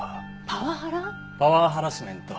パワーハラスメント。